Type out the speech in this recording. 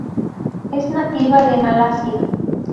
Es nativa de Malasia.